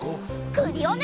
クリオネ！